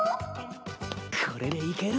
これでいける！